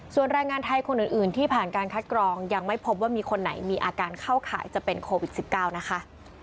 ส่วนแรงงานไทยคนอื่นที่ผ่านการคัดกรองยังไม่พบว่ามีคนไหนมีอาการเข้าข่ายจะเป็นโควิด๑๙นะคะ